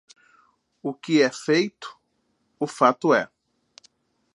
O que é feito, o fato é.